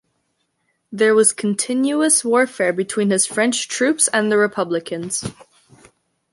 There was continuous warfare between his French troops and the Republicans.